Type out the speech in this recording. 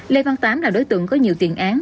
lê văn tám là đối tượng có nhiều tiền án